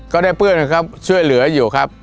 ก็ได้เปื้อนครับช่วยเหลืออยู่ครับ